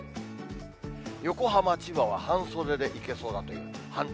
横浜、千葉は、半袖でいけそうだという判断。